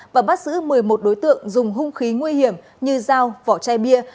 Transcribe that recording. và bắt giữ một mươi một đối tượng dùng hung khí nguy hiểm như dao vỏ chai bia